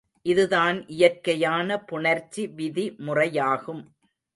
இதுதான் இயற்கையான புணர்ச்சி விதிமுறையாகும்.